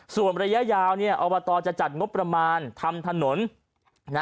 ส่วนระยะยาวอบตจะจัดงบประมาณทำถนน